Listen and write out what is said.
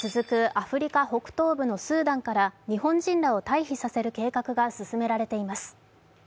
アフリカ北東部のスーダンから日本人らを退避させる計画が進められています。